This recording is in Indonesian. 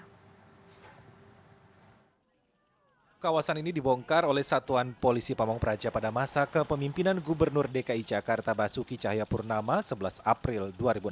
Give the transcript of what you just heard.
kawasan ini dibongkar oleh satuan polisi pamung praja pada masa kepemimpinan gubernur dki jakarta basuki cahayapurnama sebelas april dua ribu enam belas